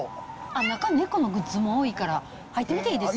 中、猫のグッズも多いから入ってみていいです？